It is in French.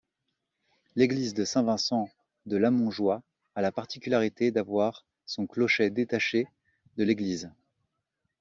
L'église de Saint-Vincent de Lamonjoie a la particularité d'avoir son clocher détaché de l'église.